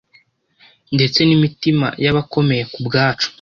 ndetse n’imitima y’abakomeye ku bwacu.